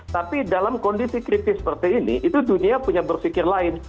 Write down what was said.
tapi dalam kondisi kritis seperti ini itu dunia punya berpikir lain